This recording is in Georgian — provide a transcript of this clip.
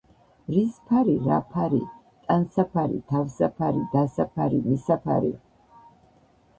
რის ფარი, რა ფარი, ტანსაფარი, თავსაფარი, დასაფარი, მისაფარი .